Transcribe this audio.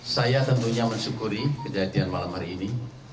saya tentunya mensyukuri kejadian malam hari ini